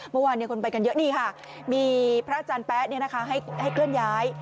เมื่อวานคนไปกันเยอะนี่ค่ะมีพระอาจารย์แป๊ะให้เคลื่อนย้าย